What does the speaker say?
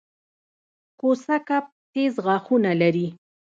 کوسه کب تېز غاښونه لري